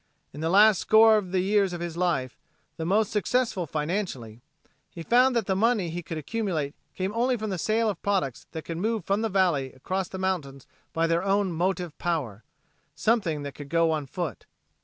In the last score of the years of his life, the most successful financially, he found that the money he could accumulate came only from the sale of products that could move from the valley across the mountains by their own motive power something that could go on foot.